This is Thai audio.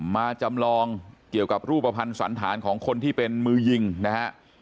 มาจำลองเกี่ยวกับรูปภัณฑ์สันธารของคนที่เป็นมือยิงนะฮะ